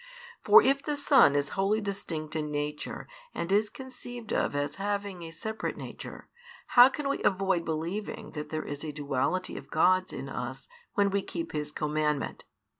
For if the Son is wholly distinct in nature and is conceived of as having a separate nature, how can we avoid believing that there is a duality of Gods in us when we keep His commandment?